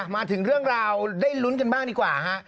มาถึงเรื่องราวได้ลุ้นกันบ้างดีกว่าฮะ